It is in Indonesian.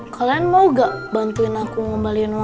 kalian mau gak bantuin aku ngembalikan wang saya